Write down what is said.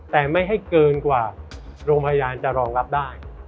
แต่ไม่ให้เกินกว่าโรงพยาบาลจะรองรับได้